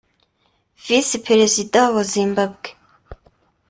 Visi Perezida wa Zimbabwe